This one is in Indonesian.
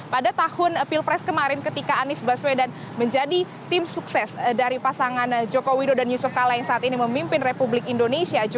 pada tahun pilpres kemarin ketika anies baswedan menjadi tim sukses dari pasangan joko widodo dan yusuf kala yang saat ini memimpin republik indonesia